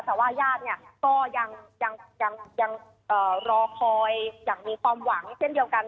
แต่ว่าญาติเนี่ยก็ยังรอคอยอย่างมีความหวังเช่นเดียวกัน